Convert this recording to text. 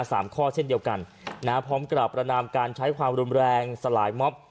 สามข้อเช่นเดียวกันนะฮะพร้อมกราบประนามการใช้ความรุนแรงสลายม็อบ